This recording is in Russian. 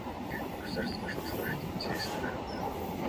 Государство должно служить интересам народа.